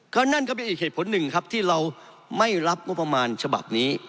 ก็นั่นก็เป็นอีกเหตุผลหนึ่งครับที่เราไม่รับงบประมาณฉบับนี้